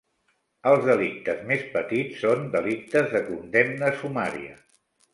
Els delictes més petits son delictes de condemna sumària.